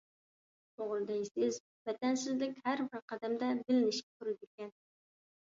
توغرا دەيسىز. ۋەتەنسىزلىك ھەربىر قەدەمدە بىلىنىشىپ تۇرىدىكەن.